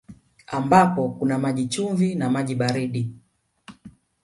Ambapo kuna maji chumvi na maji baridi